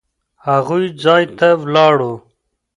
هغوی ځای ته ولاړو.